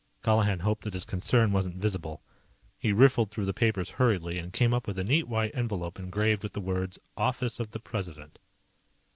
Colihan hoped that his concern wasn't visible. He riffled through the papers hurriedly, and came up with a neat white envelope engraved with the words: OFFICE OF THE PRESIDENT.